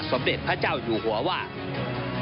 ก็ได้มีการอภิปรายในภาคของท่านประธานที่กรกครับ